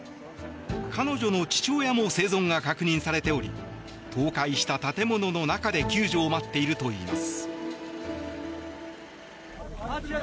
彼女の父親も生存が確認されており倒壊した建物の中で救助を待っているといいます。